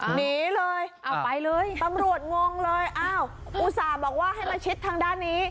หนีเลยเอาไปเลยตำรวจงงเลยอ้าวอุตส่าห์บอกว่าให้มาชิดทางด้านนี้